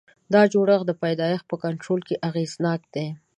دا جوړښت د پیدایښت په کنټرول کې اغېزناک دی.